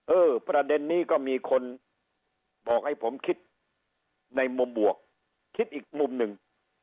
เออประเด็นนี้ก็มีคนบอกให้ผมคิดในมุมบวกคิดอีกมุมหนึ่ง